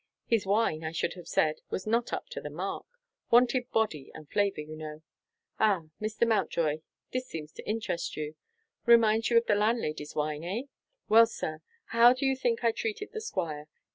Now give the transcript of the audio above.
His wine, I should have said, was not up to the mark; wanted body and flavour, you know. Ah, Mr. Mountjoy, this seems to interest you; reminds you of the landlady's wine eh? Well, sir, how do you think I treated the Squire?